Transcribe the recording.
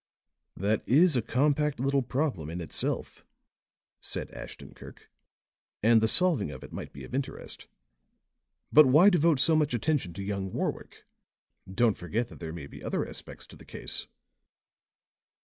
"That is a compact little problem in itself," said Ashton Kirk. "And the solving of it might be of interest. But why devote so much attention to young Warwick? Don't forget that there may be other aspects to the case?"